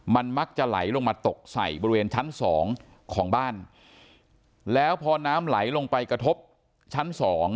มันมักจะไหลลงมาตกใส่บริเวณชั้นสองของบ้านแล้วพอน้ำไหลลงไปกระทบชั้นสอง